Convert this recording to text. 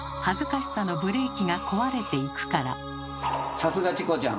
さすがチコちゃん！